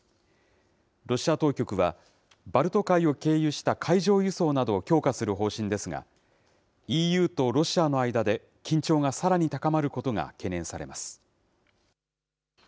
ロシア当局は、バルト海を経由した海上輸送などを強化する方針ですが、ＥＵとロシアの間で緊張がさらに高まることが懸念されます。